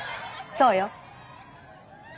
そうよ。